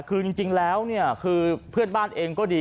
คือจริงแล้วเนี่ยคือเพื่อนบ้านเองก็ดี